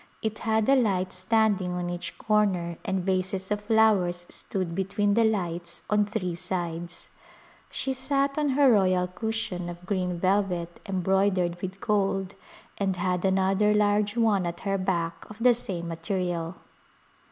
It had a light standing on each corner and vases of flowers stood between the lights on three sides. She sat on her royal cushion of green velvet embroidered with gold and had another large one at her back of the same material.